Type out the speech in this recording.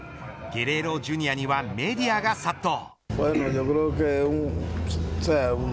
ゲレーロＪｒ．にはメディアが殺到。